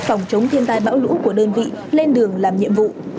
phòng chống thiên tai bão lũ của đơn vị lên đường làm nhiệm vụ